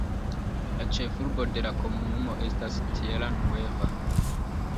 La ĉefurbo de la komunumo estas Tierra Nueva.